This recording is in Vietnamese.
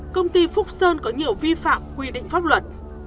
công ty phúc sơn có nhiều vi phạm quy định pháp luật